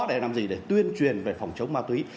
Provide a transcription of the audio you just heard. để làm gì để tuyên truyền về phòng chống ma túy